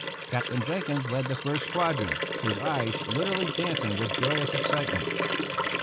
Captain Jenkins led the first squadron, his eyes literally dancing with joyous excitement.